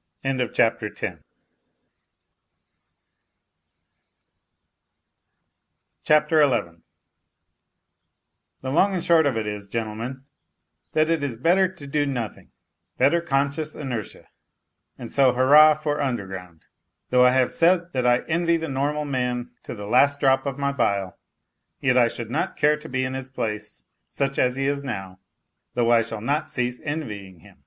... XI The long and the short of it is, gentlemen, that it is better to do nothing ! Better conscious inertia ! And so hurrah for underground ! Though I have said that I envy the normal man to the last drop of my bile, yet I should not care to be in his place such as he is now (though I shall not cease envying him).